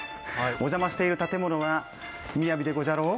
お邪魔している建物はみやびでごじゃろう？